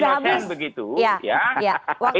itu juga harus dijaga begitu